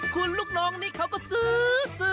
คุณลูกน้องนี่เขาก็ซื้อ